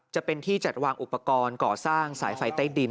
จะเป็นที่จัดวางอุปกรณ์ก่อสร้างสายไฟใต้ดิน